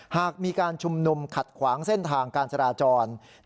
หากมีการชุ่มนุมขัดขวางเส้นทางการจราจรแน่นอนครับ